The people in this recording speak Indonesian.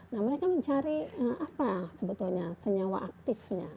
nah mereka mencari apa sebetulnya senyawa aktifnya